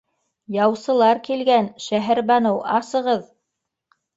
Яусылар килгән, Шәһәрбаныу, асығыҙ!